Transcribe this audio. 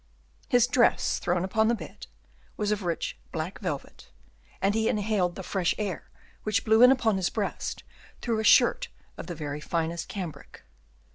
His dress, thrown upon the bed, was of rich black velvet, and he inhaled the fresh air which blew in upon his breast through a shirt of the very finest cambric.